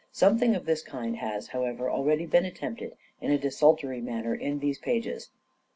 Something of this kind has, however, already been attempted in a desultory manner in these pages.